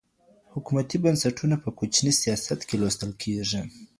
حکومتي بنسټونه په کوچني سياست کې لوستل کېږي.